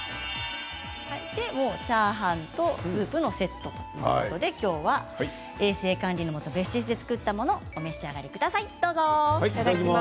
チャーハンとスープのセットということできょうは衛生管理のもと別室で作ったものをお召し上がりください。